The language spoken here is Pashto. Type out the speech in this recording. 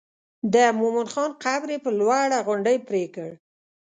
د مومن خان قبر یې پر لوړه غونډۍ پرېکړ.